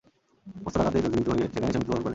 প্রস্তরাঘাতে জর্জরিত হয়ে সেখানেই সে মৃত্যুবরণ করে।